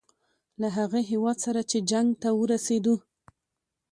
له هغه هیواد سره چې جنګ ته ورسېدو.